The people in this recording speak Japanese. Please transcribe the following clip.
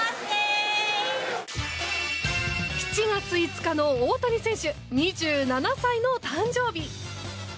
７月５日の大谷選手２７歳の誕生日。